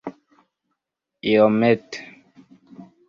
iomete